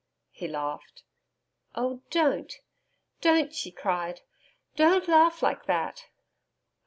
He laughed. 'Oh don't don't,' she cried. 'Don't laugh like that.'